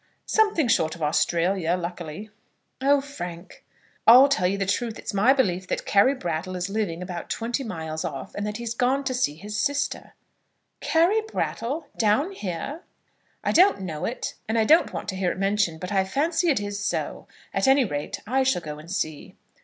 "Something short of Australia, luckily." "Oh, Frank!" "I'll tell you the truth. It's my belief that Carry Brattle is living about twenty miles off, and that he's gone to see his sister." "Carry Brattle! down here!" "I don't know it, and I don't want to hear it mentioned; but I fancy it is so. At any rate, I shall go and see."